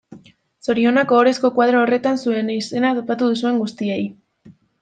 Zorionak ohorezko koadro horretan zure izena topatu duzuen guztiei.